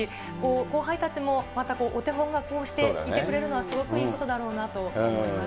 後輩たちもまたこう、お手本がいてくれるのは、すごくいいことだろうなと思います。